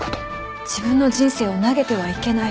自分の人生を投げてはいけない。